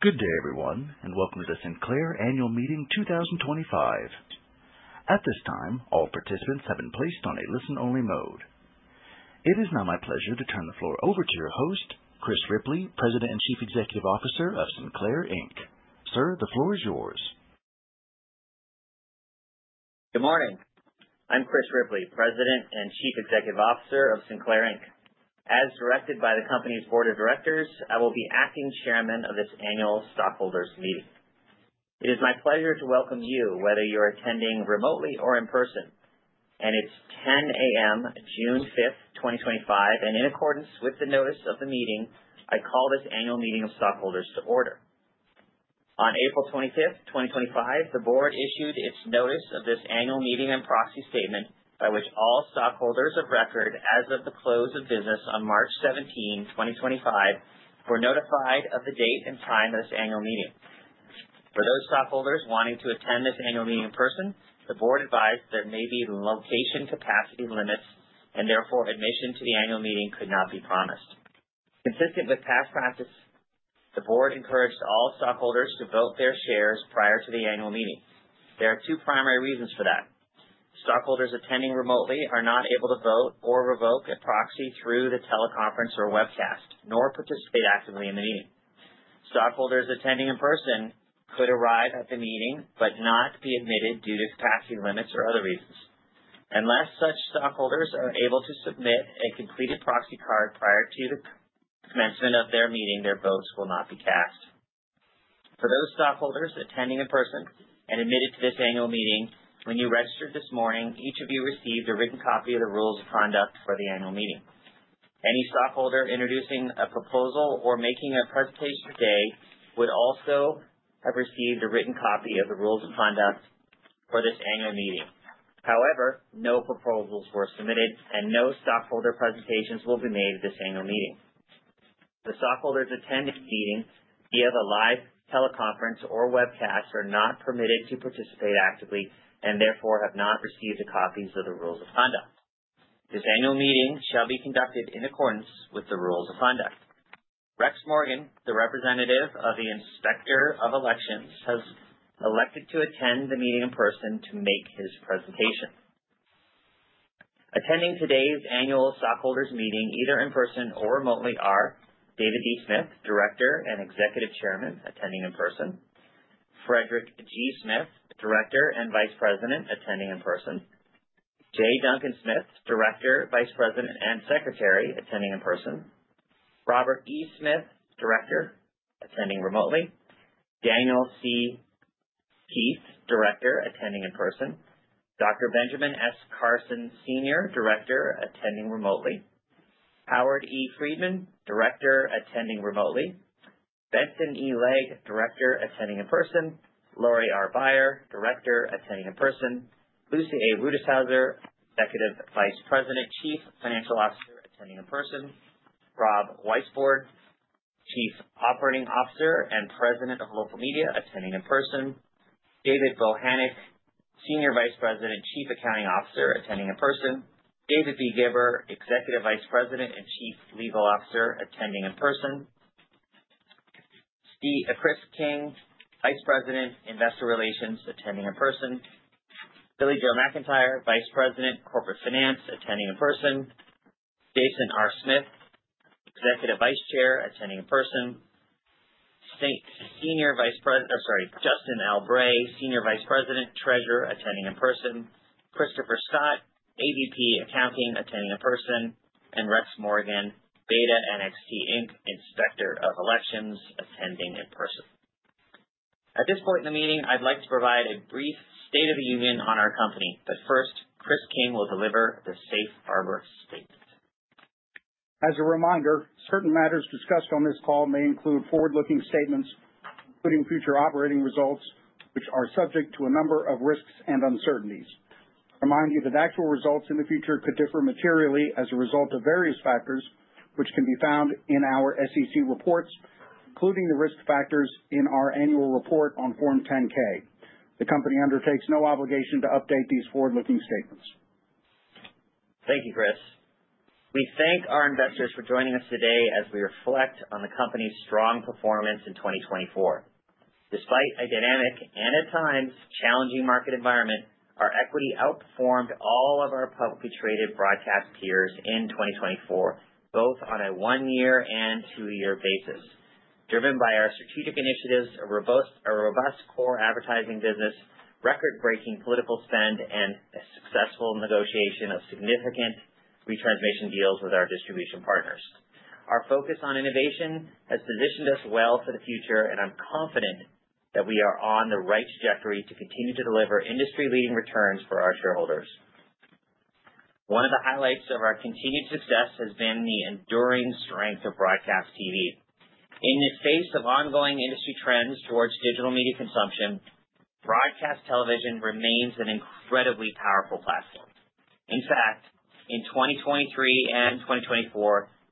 Good day, everyone, and welcome to the Sinclair Annual Meeting 2025. At this time, all participants have been placed on a listen-only mode. It is now my pleasure to turn the floor over to your host, Chris Ripley, President and Chief Executive Officer of Sinclair Inc. Sir, the floor is yours. Good morning. I'm Chris Ripley, President and Chief Executive Officer of Sinclair Inc as directed by the company's Board of Directors, I will be acting chairman of this annual stockholders' meeting. It is my pleasure to welcome you, whether you're attending remotely or in person. And it's 10:00 A.M., June 5th, 2025. And in accordance with the notice of the meeting, I call this annual meeting of stockholders to order. On April 25th, 2025, the board issued its notice of this annual meeting and proxy statement by which all stockholders of record, as of the close of business on March 17, 2025, were notified of the date and time of this annual meeting. For those stockholders wanting to attend this annual meeting in person, the board advised there may be location capacity limits, and therefore admission to the annual meeting could not be promised. Consistent with past practice, the board encouraged all stockholders to vote their shares prior to the annual meeting. There are two primary reasons for that. Stockholders attending remotely are not able to vote or revoke a proxy through the teleconference or webcast, nor participate actively in the meeting. Stockholders attending in person could arrive at the meeting but not be admitted due to capacity limits or other reasons. Unless such stockholders are able to submit a completed proxy card prior to the commencement of their meeting, their votes will not be cast. For those stockholders attending in person and admitted to this annual meeting, when you registered this morning, each of you received a written copy of the rules of conduct for the annual meeting. Any stockholder introducing a proposal or making a presentation today would also have received a written copy of the rules of conduct for this annual meeting. However, no proposals were submitted, and no stockholder presentations will be made at this annual meeting. The stockholders attending the meeting via the live teleconference or webcast are not permitted to participate actively and therefore have not received a copy of the rules of conduct. This annual meeting shall be conducted in accordance with the rules of conduct. Rex Morgan, the representative of the Inspector of Elections, has elected to attend the meeting in person to make his presentation. Attending today's annual stockholders' meeting, either in person or remotely, are David D. Smith, Director and Executive Chairman, attending in person. Frederick G. Smith, Director and Vice President, attending in person. J. Duncan Smith, Director, Vice President, and Secretary, attending in person. Robert E. Smith, Director, attending remotely, Daniel C. Keith, Director, attending in person, Dr. Benjamin S. Carson Sr., Director, attending remotely, Howard E. Friedman, Director, attending remotely, Benson E. Legg, Director, attending in person, Laurie R. Beyer, Director, attending in person, Lucy A. Rutishauser, Executive Vice President, Chief Financial Officer, attending in person, Rob Weisbord, Chief Operating Officer and President of Local Media, attending in person, David Bochenek, Senior Vice President, Chief Accounting Officer, attending in person, David B. Gibber, Executive Vice President and Chief Legal Officer, attending in person. Chris King, Vice President, investor relations, attending in person, Billie-Jo McIntire, Vice President, Corporate Finance, attending in person, Jason R. Smith, Executive Vice Chair, attending in person, Justin L. Bray, Senior Vice President, Treasurer, attending in person, Christopher Scott, AVP Accounting, attending in person, and Rex Morgan, BetaNXT Inc, Inspector of Elections, attending in person. At this point in the meeting, I'd like to provide a brief State of the Union on our company. But first, Chris King will deliver the Safe Harbor Statement. As a reminder, certain matters discussed on this call may include forward-looking statements, including future operating results, which are subject to a number of risks and uncertainties. I remind you that actual results in the future could differ materially as a result of various factors, which can be found in our SEC reports, including the risk factors in our annual report on Form 10-K. The company undertakes no obligation to update these forward-looking statements. Thank you, Chris. We thank our investors for joining us today as we reflect on the company's strong performance in 2024. Despite a dynamic and, at times, challenging market environment, our equity outperformed all of our publicly traded broadcast peers in 2024, both on a one-year and two-year basis, driven by our strategic initiatives, a robust core advertising business, record-breaking political spend, and a successful negotiation of significant retransmission deals with our distribution partners. Our focus on innovation has positioned us well for the future, and I'm confident that we are on the right trajectory to continue to deliver industry-leading returns for our shareholders. One of the highlights of our continued success has been the enduring strength of broadcast TV. In the face of ongoing industry trends towards digital media consumption, broadcast television remains an incredibly powerful platform. In fact, in 2023 and 2024,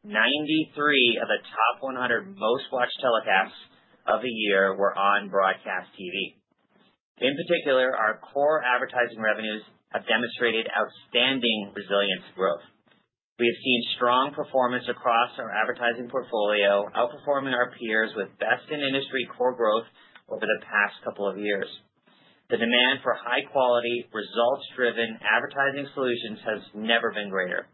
93 of the top 100 most-watched telecasts of the year were on broadcast TV. In particular, our core advertising revenues have demonstrated outstanding resilience to growth. We have seen strong performance across our advertising portfolio, outperforming our peers with best-in-industry core growth over the past couple of years. The demand for high-quality, results-driven advertising solutions has never been greater,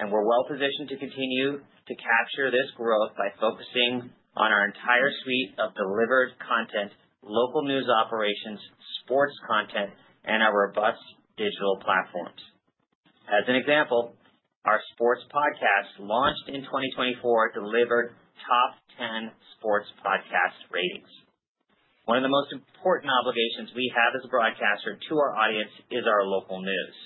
and we're well positioned to continue to capture this growth by focusing on our entire suite of delivered content, local news operations, sports content, and our robust digital platforms. As an example, our sports podcast, launched in 2024, delivered top 10 sports podcast ratings. One of the most important obligations we have as a broadcaster to our audience is our local news.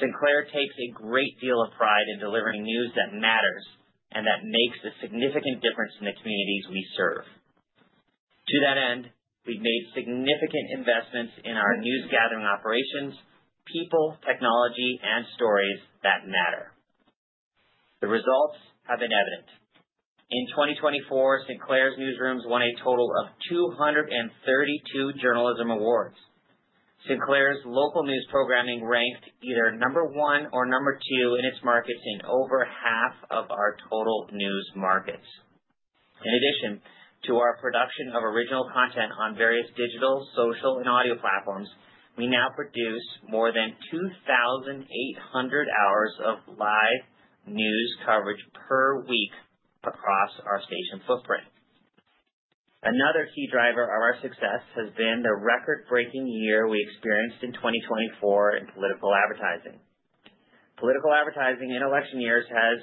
Sinclair takes a great deal of pride in delivering news that matters and that makes a significant difference in the communities we serve. To that end, we've made significant investments in our news-gathering operations, people, technology, and stories that matter. The results have been evident. In 2024, Sinclair's newsrooms won a total of 232 journalism awards. Sinclair's local news programming ranked either number one or number two in its markets in over half of our total news markets. In addition to our production of original content on various digital, social, and audio platforms, we now produce more than 2,800 hours of live news coverage per week across our station footprint. Another key driver of our success has been the record-breaking year we experienced in 2024 in political advertising. Political advertising in election years has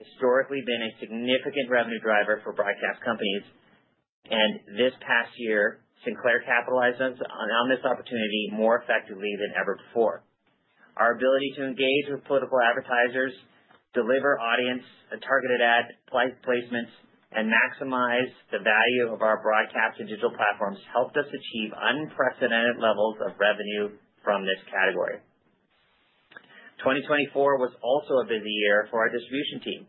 historically been a significant revenue driver for broadcast companies. And this past year, Sinclair capitalised on this opportunity more effectively than ever before. Our ability to engage with political advertisers, deliver audience-targeted ad placements, and maximise the value of our broadcast and digital platforms helped us achieve unprecedented levels of revenue from this category. 2024 was also a busy year for our distribution team.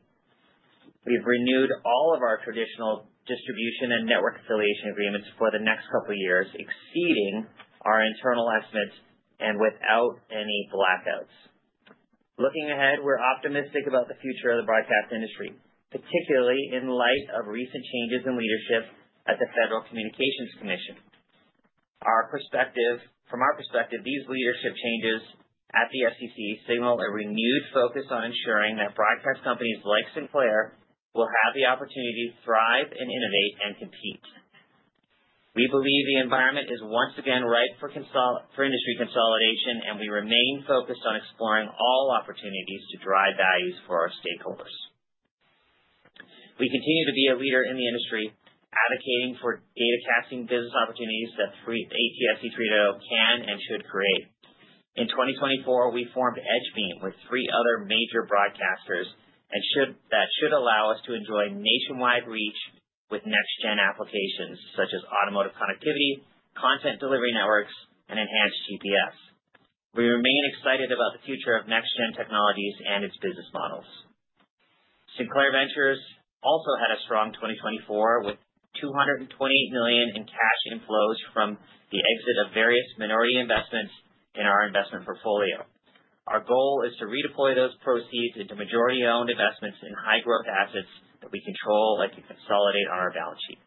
We've renewed all of our traditional distribution and network affiliation agreements for the next couple of years, exceeding our internal estimates and without any blackouts. Looking ahead, we're optimistic about the future of the broadcast industry, particularly in light of recent changes in leadership at the Federal Communications Commission. From our perspective, these leadership changes at the FCC signal a renewed focus on ensuring that broadcast companies like Sinclair will have the opportunity to thrive and innovate and compete. We believe the environment is once again ripe for industry consolidation, and we remain focused on exploring all opportunities to drive values for our stakeholders. We continue to be a leader in the industry, advocating for datacasting business opportunities that ATSC 3.0 can and should create. In 2024, we formed EdgeBeam with three other major broadcasters that should allow us to enjoy nationwide reach with next-gen applications such as automotive connectivity, content delivery networks, and enhanced GPS. We remain excited about the future of next-gen technologies and its business models. Sinclair Ventures also had a strong 2024 with $228 million in cash inflows from the exit of various minority investments in our investment portfolio. Our goal is to redeploy those proceeds into majority-owned investments in high-growth assets that we control and can consolidate on our balance sheet.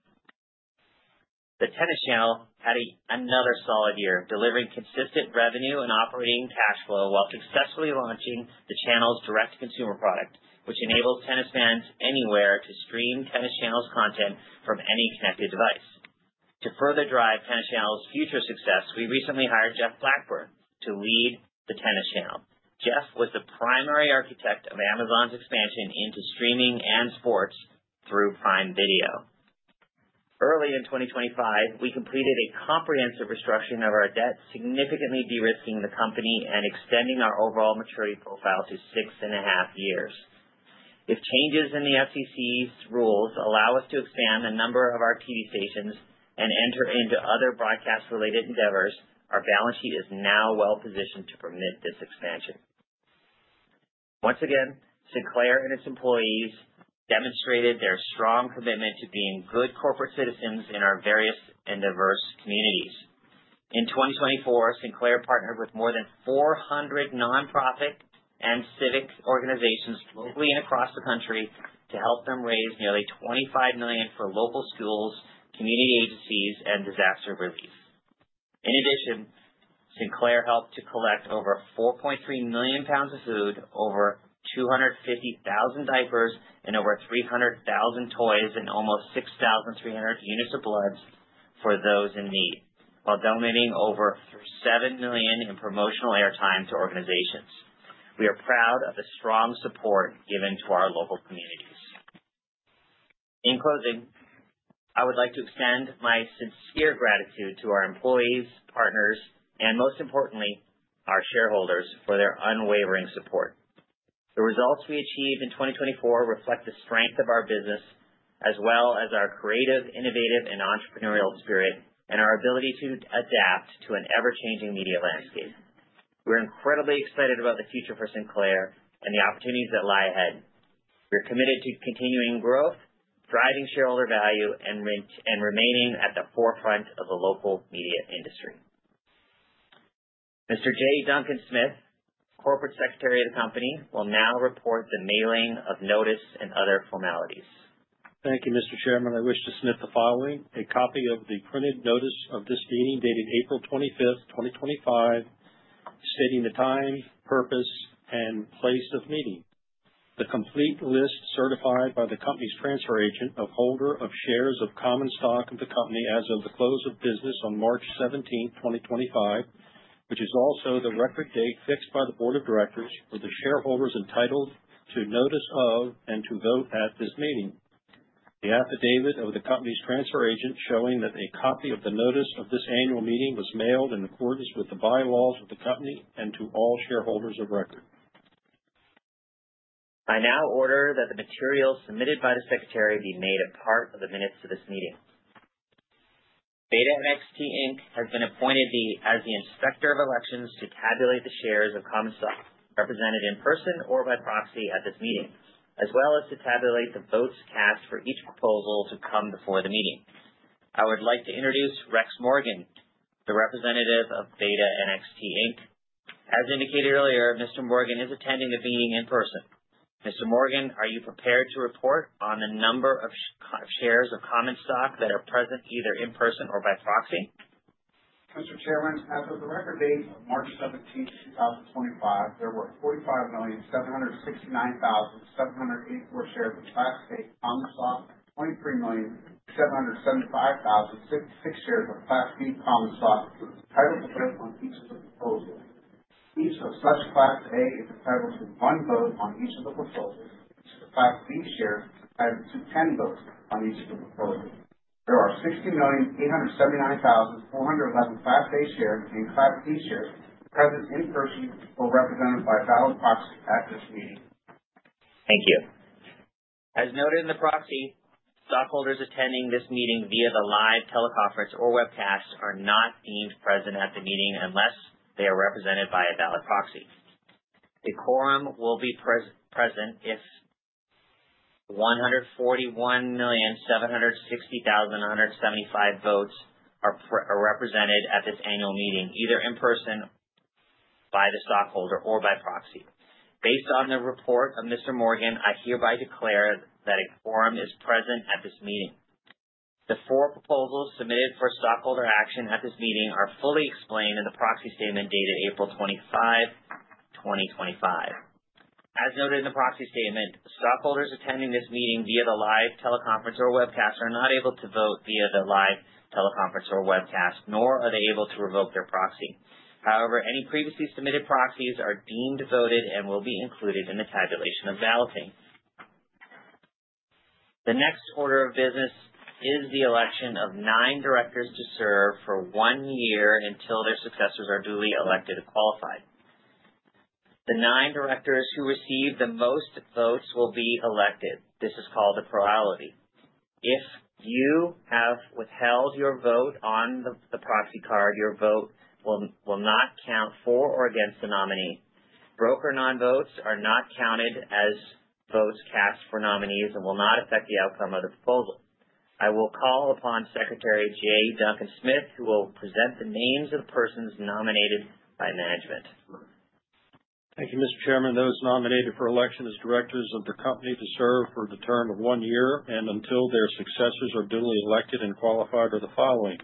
The Tennis Channel had another solid year, delivering consistent revenue and operating cash flow while successfully launching the channel's direct-to-consumer product, which enables tennis fans anywhere to stream Tennis Channel's content from any connected device. To further drive Tennis Channel's future success, we recently hired Jeff Blackburn to lead the Tennis Channel. Jeff was the primary architect of Amazon's expansion into streaming and sports through Prime Video. Early in 2025, we completed a comprehensive restructuring of our debt, significantly de-risking the company and extending our overall maturity profile to six and a half years. If changes in the FCC's rules allow us to expand the number of our TV stations and enter into other broadcast-related endeavours, our balance sheet is now well positioned to permit this expansion. Once again, Sinclair and its employees demonstrated their strong commitment to being good corporate citizens in our various and diverse communities. In 2024, Sinclair partnered with more than 400 nonprofit and civic organisations locally and across the country to help them raise nearly $25 million for local schools, community agencies, and disaster relief. In addition, Sinclair helped to collect over 4.3 million pounds of food, over 250,000 diapers, and over 300,000 toys, and almost 6,300 units of blood for those in need, while donating over 7 million in promotional airtime to organisations. We are proud of the strong support given to our local communities. In closing, I would like to extend my sincere gratitude to our employees, partners, and most importantly, our shareholders for their unwavering support. The results we achieved in 2024 reflect the strength of our business as well as our creative, innovative, and entrepreneurial spirit and our ability to adapt to an ever-changing media landscape. We're incredibly excited about the future for Sinclair and the opportunities that lie ahead. We're committed to continuing growth, driving shareholder value, and remaining at the forefront of the local media industry. Mr. J. Duncan Smith, Corporate Secretary of the Company, will now report the mailing of notice and other formalities. Thank you, Mr. Chairman. I wish to submit the following, a copy of the printed notice of this meeting dated April 25th, 2025, stating the time, purpose, and place of meeting. The complete list certified by the company's transfer agent of holder of shares of common stock of the company as of the close of business on March 17th, 2025, which is also the record date fixed by the Board of Directors for the shareholders entitled to notice of and to vote at this meeting. The affidavit of the company's transfer agent showing that a copy of the notice of this annual meeting was mailed in accordance with the bylaws of the company and to all shareholders of record. I now order that the materials submitted by the Secretary be made a part of the minutes of this meeting. BetaNXT Inc has been appointed as the Inspector of Elections to tabulate the shares of common stock represented in person or by proxy at this meeting, as well as to tabulate the votes cast for each proposal to come before the meeting. I would like to introduce Rex Morgan, the representative of BetaNXT Inc as indicated earlier, Mr. Morgan is attending the meeting in person. Mr. Morgan, are you prepared to report on the number of shares of common stock that are present either in person or by proxy? Mr. Chairman, as of the record date of March 17th, 2025, there were 45,769,784 shares of Class A common stock and 23,775,066 shares of Class B common stock entitled to vote on each of the proposals. Each of such Class A is entitled to one vote on each of the proposals, and each of the Class B shares is entitled to 10 votes on each of the proposals. There are 60,879,411 Class A shares and Class B shares present in person or represented by a valid proxy at this meeting. Thank you. As noted in the proxy, stockholders attending this meeting via the live teleconference or webcast are not deemed present at the meeting unless they are represented by a valid proxy. A quorum will be present if 141,760,175 votes are represented at this annual meeting, either in person by the stockholder or by proxy. Based on the report of Mr. Morgan, I hereby declare that a quorum is present at this meeting. The four proposals submitted for stockholder action at this meeting are fully explained in the proxy statement dated April 25, 2025. As noted in the proxy statement, stockholders attending this meeting via the live teleconference or webcast are not able to vote via the live teleconference or webcast, nor are they able to revoke their proxy. However, any previously submitted proxies are deemed voted and will be included in the tabulation of balloting. The next order of business is the election of nine directors to serve for one year until their successors are duly elected and qualified. The nine directors who receive the most votes will be elected. This is called a plurality. If you have withheld your vote on the proxy card, your vote will not count for or against the nominee. Broker non-votes are not counted as votes cast for nominees and will not affect the outcome of the proposal. I will call upon Secretary J. Duncan Smith, who will present the names of the persons nominated by management. Thank you, Mr. Chairman. Those nominated for election as directors of the company to serve for the term of one year and until their successors are duly elected and qualified are the following: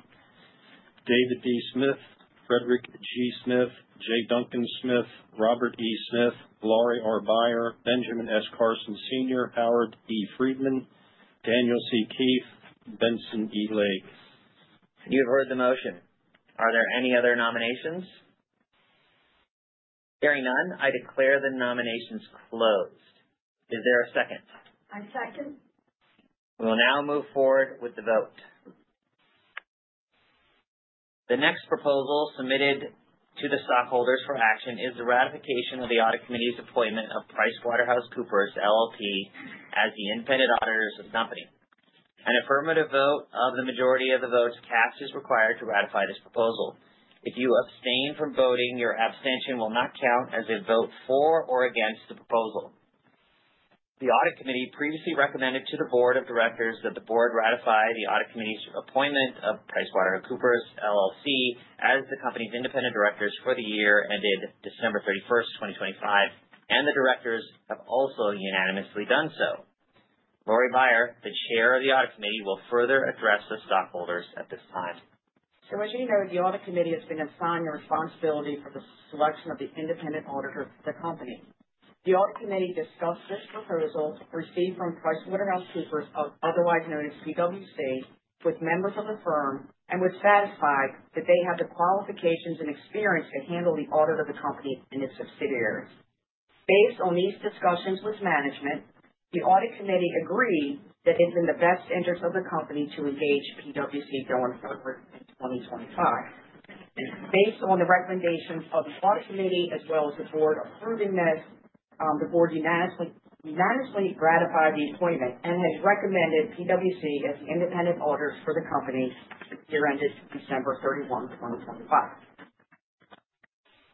David D. Smith, Frederick G. Smith, J. Duncan Smith, Robert E. Smith, Laurie R. Beyer, Benjamin S. Carson Sr., Howard E. Friedman, Daniel C. Keith, Benson E. Legg. You've heard the motion. Are there any other nominations? Hearing none, I declare the nominations closed. Is there a second? I second. We will now move forward with the vote. The next proposal submitted to the stockholders for action is the ratification of the audit committee's appointment of PricewaterhouseCoopers LLP as the independent auditors of the company. An affirmative vote of the majority of the votes cast is required to ratify this proposal. If you abstain from voting, your abstention will not count as a vote for or against the proposal. The audit committee previously recommended to the Board of Directors that the board ratify the audit committee's appointment of PricewaterhouseCoopers LLP as the company's independent auditors for the year ended December 31st, 2025, and the directors have also unanimously done so. Laurie Beyer, the chair of the audit committee, will further address the stockholders at this time. So as you know, the Audit Committee has been assigned the responsibility for the selection of the independent auditor for the company. The Audit Committee discussed this proposal received from PricewaterhouseCoopers, otherwise known as PwC, with members of the firm, and was satisfied that they have the qualifications and experience to handle the audit of the company and its subsidiaries. Based on these discussions with management, the Audit Committee agreed that it's in the best interest of the company to engage PwC going forward in 2025. Based on the recommendations of the Audit Committee as well as the board approving this, the board unanimously ratified the appointment and has recommended PwC as the independent auditors for the company's year ended December 31, 2025.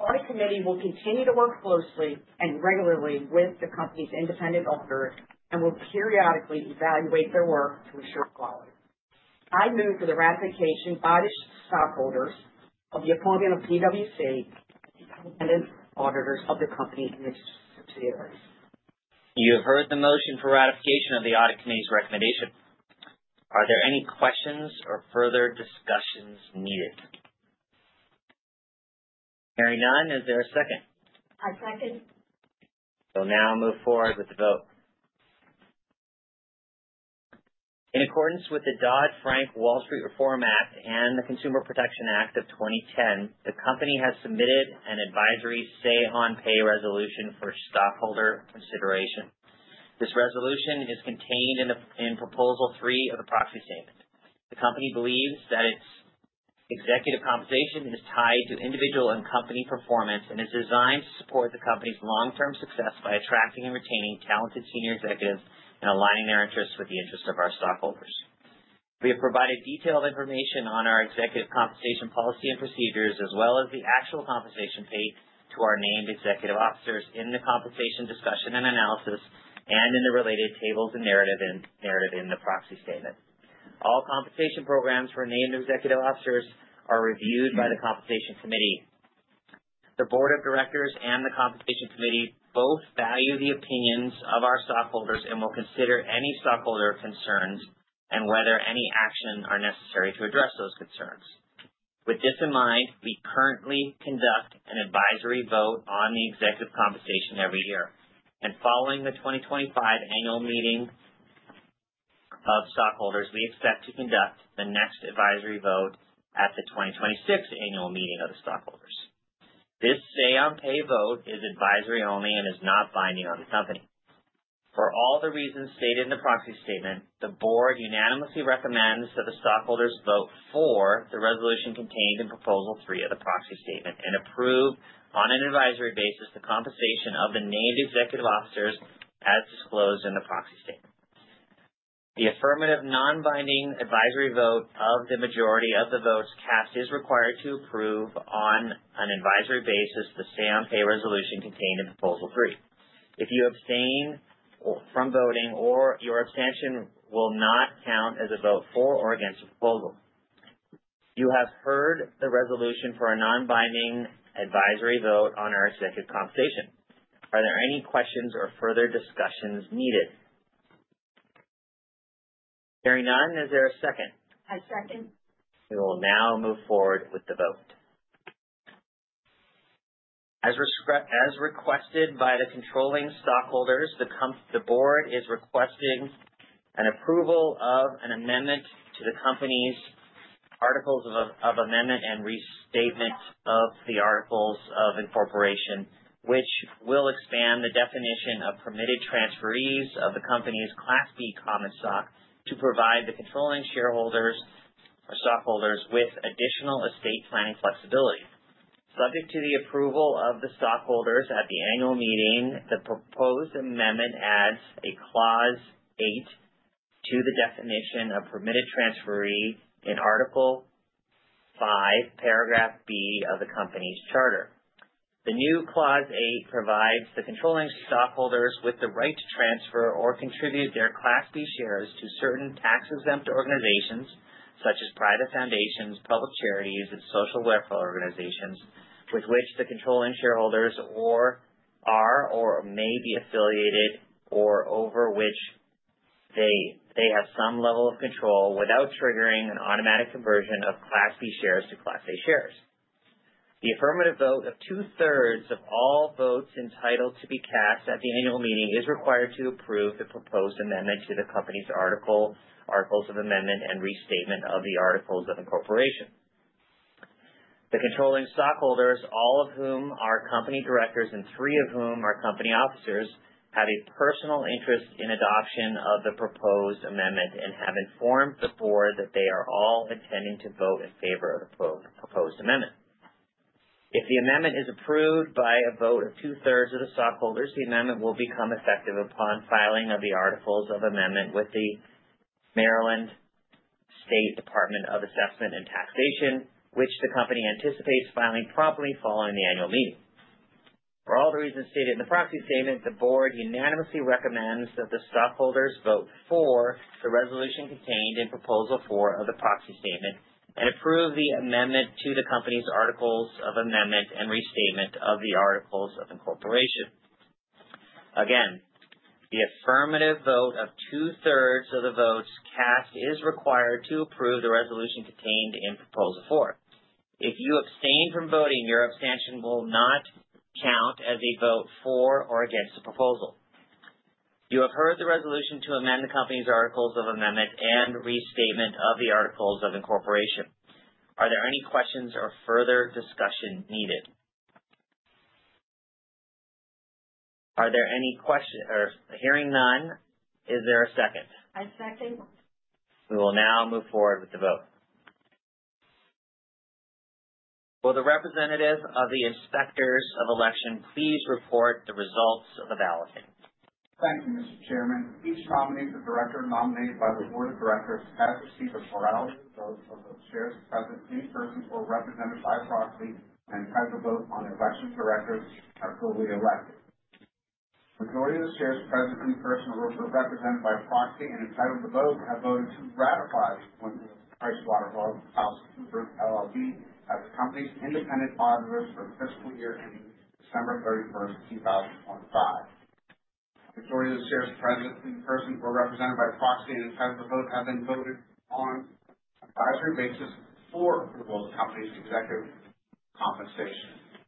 The Audit Committee will continue to work closely and regularly with the company's independent auditors and will periodically evaluate their work to ensure quality. I move for the ratification by the stockholders of the appointment of PwC as the independent auditors of the company and its subsidiaries. You've heard the motion for ratification of the audit committee's recommendation. Are there any questions or further discussions needed? Hearing none, is there a second? I second. We'll now move forward with the vote. In accordance with the Dodd-Frank Wall Street Reform Act and the Consumer Protection Act of 2010, the company has submitted an advisory Say-on-Pay resolution for stockholder consideration. This resolution is contained in proposal three of the proxy statement. The company believes that its executive compensation is tied to individual and company performance and is designed to support the company's long-term success by attracting and retaining talented senior executives and aligning their interests with the interests of our stockholders. We have provided detailed information on our executive compensation policy and procedures, as well as the actual compensation paid to our named executive officers in the compensation discussion and analysis and in the related tables and narrative in the proxy statement. All compensation programs for named executive officers are reviewed by the compensation committee. The Board of Directors and the compensation committee both value the opinions of our stockholders and will consider any stockholder concerns and whether any action is necessary to address those concerns. With this in mind, we currently conduct an advisory vote on the executive compensation every year, and following the 2025 annual meeting of stockholders, we expect to conduct the next advisory vote at the 2026 annual meeting of the stockholders. This Say-on-Pay vote is advisory only and is not binding on the company. For all the reasons stated in the proxy statement, the Board unanimously recommends that the stockholders vote for the resolution contained in proposal three of the proxy statement and approve on an advisory basis the compensation of the named executive officers as disclosed in the proxy statement. The affirmative non-binding advisory vote of the majority of the votes cast is required to approve on an advisory basis the Say-on-Pay resolution contained in proposal three. If you abstain from voting, your abstention will not count as a vote for or against the proposal. You have heard the resolution for a non-binding advisory vote on our executive compensation. Are there any questions or further discussions needed? Hearing none, is there a second? I second. We will now move forward with the vote. As requested by the controlling stockholders, the board is requesting an approval of an amendment to the company's Articles of Amendment and Restatement of the Articles of Incorporation, which will expand the definition of permitted transferees of the company's Class B common stock to provide the controlling shareholders or stockholders with additional estate planning flexibility. Subject to the approval of the stockholders at the annual meeting, the proposed amendment adds a clause eight to the definition of permitted transferee in Article Five, Paragraph B of the company's charter. The new clause eight provides the controlling stockholders with the right to transfer or contribute their Class B shares to certain tax-exempt organisations, such as private foundations, public charities, and social welfare organisations, with which the controlling shareholders are or may be affiliated or over which they have some level of control without triggering an automatic conversion of Class B shares to Class A shares. The affirmative vote of two-thirds of all votes entitled to be cast at the annual meeting is required to approve the proposed amendment to the company's articles, articles of amendment, and restatement of the articles of incorporation. The controlling stockholders, all of whom are company directors and three of whom are company officers, have a personal interest in adoption of the proposed amendment and have informed the board that they are all intending to vote in favour of the proposed amendment. If the amendment is approved by a vote of two-thirds of the stockholders, the amendment will become effective upon filing of the articles of amendment with the Maryland State Department of Assessment and Taxation, which the company anticipates filing promptly following the annual meeting. For all the reasons stated in the proxy statement, the board unanimously recommends that the stockholders vote for the resolution contained in proposal four of the proxy statement and approve the amendment to the company's Articles of Amendment and Restatement of the articles of incorporation. Again, the affirmative vote of two-thirds of the votes cast is required to approve the resolution contained in proposal four. If you abstain from voting, your abstention will not count as a vote for or against the proposal. You have heard the resolution to amend the company's Articles of Amendment and Restatement of the Articles of Incorporation. Are there any questions or further discussion needed? Are there any questions? Hearing none, is there a second? I second. We will now move forward with the vote. Will the representative of the inspectors of election please report the results of the balloting? Thank you, Mr. Chairman. Each nominee for director nominated by the board of directors has received a plurality of votes of the shares present in person or represented by proxy and entitled to vote on the election. Directors are duly elected. The majority of the shares present in person or represented by proxy and entitled to vote have voted to ratify the appointment of PricewaterhouseCoopers LLP, as the company's independent auditors for the fiscal year ending December 31st, 2025. The majority of the shares present in person or represented by proxy and entitled to vote have been voted on an advisory basis for the company's executive compensation.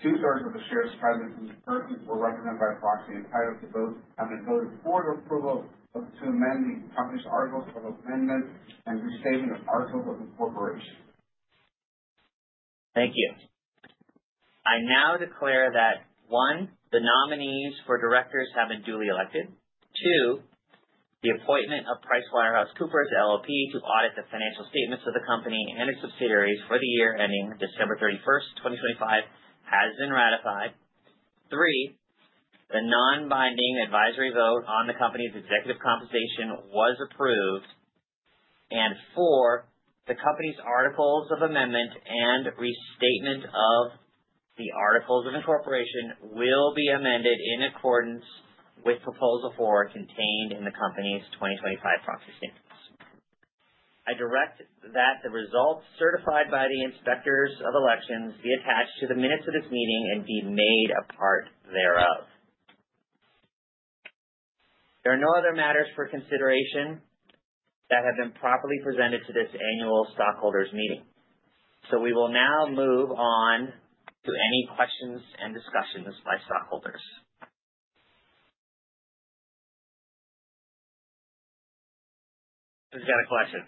Two-thirds of the shares present in person or represented by proxy and entitled to vote have been voted for the approval of to amend the company's articles of amendment and restatement of articles of incorporation. Thank you. I now declare that, one, the nominees for directors have been duly elected, two, the appointment of PricewaterhouseCoopers LLP to audit the financial statements of the company and its subsidiaries for the year ending December 31st, 2025, has been ratified, three, the non-binding advisory vote on the company's executive compensation was approved, and four, the company's articles of amendment and restatement of the articles of incorporation will be amended in accordance with proposal four contained in the company's 2025 proxy statements. I direct that the results certified by the inspectors of elections be attached to the minutes of this meeting and be made a part thereof. There are no other matters for consideration that have been properly presented to this annual stockholders meeting, so we will now move on to any questions and discussions by stockholders. Who's got a question?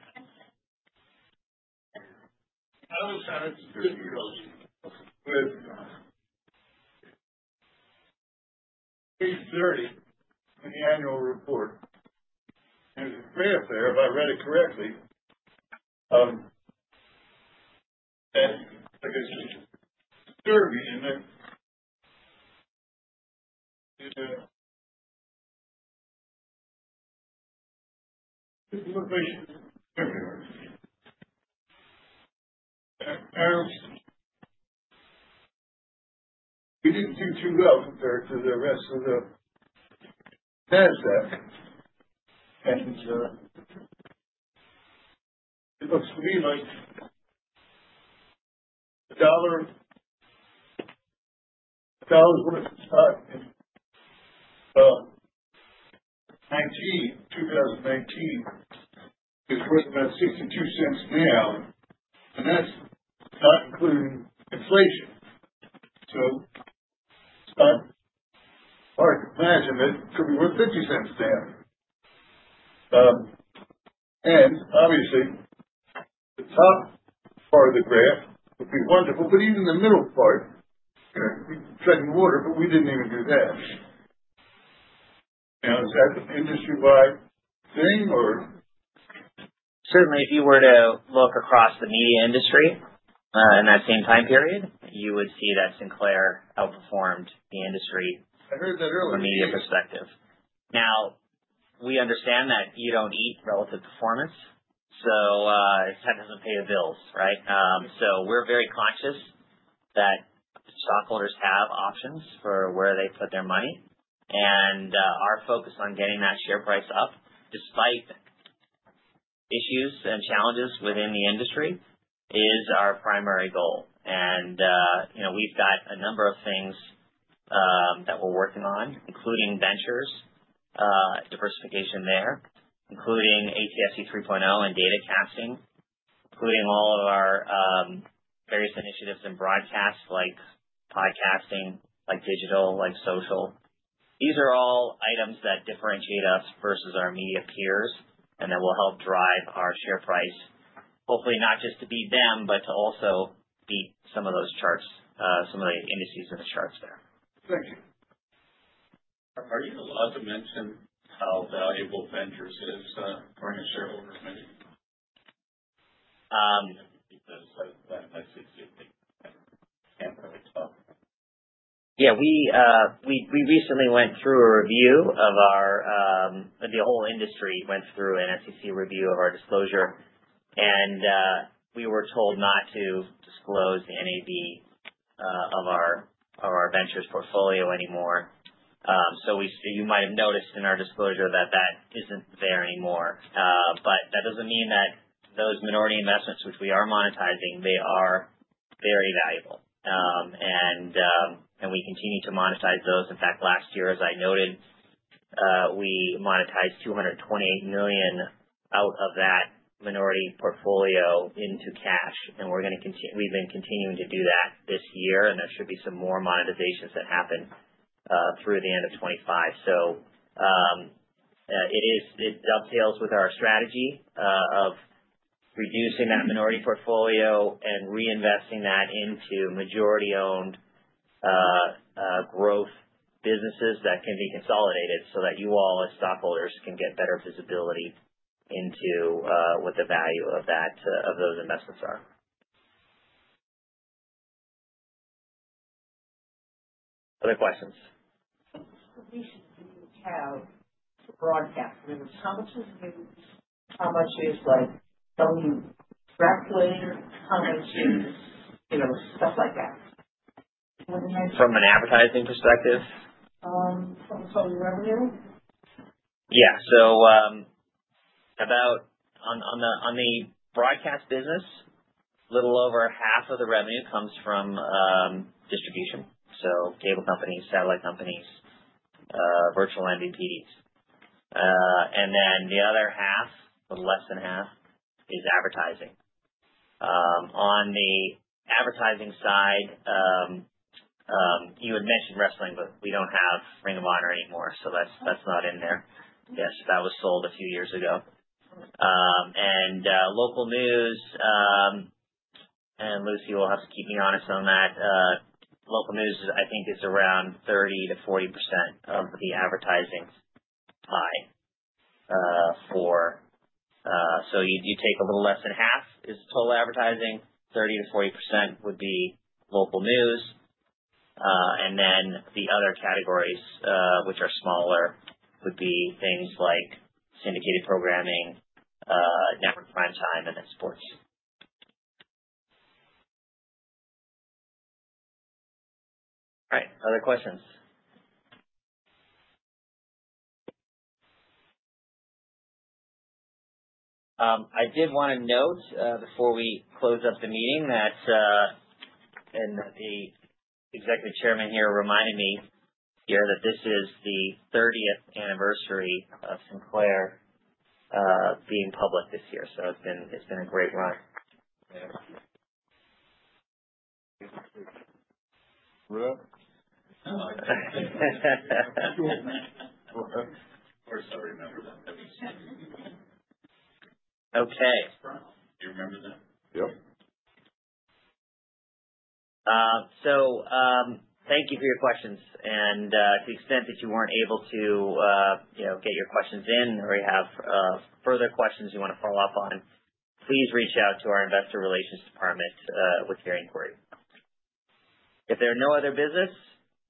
I was asked of the annual report, and it's right up there if I read it correctly. It didn't do too well compared to the rest of the is worth about $0.62 now, and that's not including inflation. I can imagine that it could be worth $0.50 now. And obviously, the top part of the graph would be wonderful, but even the middle part, we've treading water, but we didn't even do that. Now, is that an industry-wide thing or? Certainly, if you were to look across the media industry in that same time period, you would see that Sinclair outperformed the industry from a media perspective. Now, we understand that you don't eat relative performance, so it kind of doesn't pay the bills, right? So we're very conscious that stockholders have options for where they put their money, and our focus on getting that share price up despite issues and challenges within the industry is our primary goal, and we've got a number of things that we're working on, including ventures, diversification there, including ATSC 3.0 and data casting, including all of our various initiatives and broadcasts like podcasting, like digital, like social. These are all items that differentiate us versus our media peers and that will help drive our share price, hopefully not just to beat them, but to also beat some of those charts, some of the indices and the charts there. Thank you. Are you allowed to mention how valuable Ventures is? Yeah. We recently went through a review of our—the whole industry went through an SEC review of our disclosure, and we were told not to disclose the NAV of our ventures portfolio anymore. So you might have noticed in our disclosure that that isn't there anymore. But that doesn't mean that those minority investments, which we are monetising, they are very valuable. And we continue to monetise those. In fact, last year, as I noted, we monetised $228 million out of that minority portfolio into cash. And we've been continuing to do that this year, and there should be some more monetisations that happen through the end of 2025. So it dovetails with our strategy of reducing that minority portfolio and reinvesting that into majority-owned growth businesses that can be consolidated so that you all as stockholders can get better visibility into what the value of those investments are. Other questions? have for broadcast news, how much is news? How much is? How much is stuff like that? From an advertising perspective? From? Yeah. So on the broadcast business, a little over half of the revenue comes from distribution. So cable companies, satellite companies, virtual MVPDs. And then the other half, the less than half, is advertising. On the advertising side, you had mentioned wrestling, but we don't have Ring of Honor anymore, so that's not in there. Yes, that was sold a few years ago. And local news, and Lucy will have to keep me honest on that, local news, I think, is around 30%-40% of the advertising pie for, so you take a little less than half is total advertising. 30%-40% would be local news. And then the other categories, which are smaller, would be things like syndicated programming, network prime time, and then sports. All right. Other questions? I did want to note before we close up the meeting that the Executive Chairman here reminded me here that this is the 30th anniversary of Sinclair being public this year. So it's been a great run. Of course, I remember that. That makes sense. Okay. You remember that? Yep. So thank you for your questions. And to the extent that you weren't able to get your questions in or you have further questions you want to follow up on, please reach out to our investor relations department with your inquiry. If there are no other business,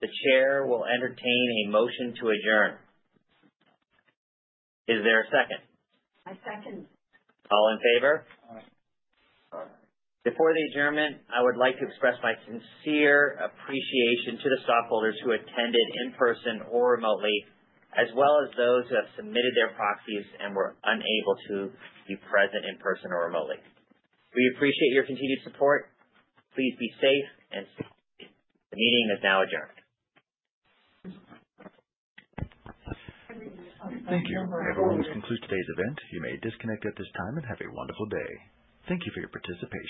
the chair will entertain a motion to adjourn. Is there a second? I second. All in favour? Aye. Aye. Before the adjournment, I would like to express my sincere appreciation to the stockholders who attended in person or remotely, as well as those who have submitted their proxies and were unable to be present in person or remotely. We appreciate your continued support. Please be safe and stay safe. The meeting is now adjourned. Thank you. That conclude today's event, you may disconnect at this time and have a wonderful day. Thank you for your participation.